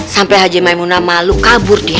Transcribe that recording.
sampai haji maimuna malu kabur dia